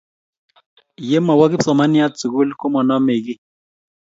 Ye mowo kipsomaniat sugul ko manomey kiy.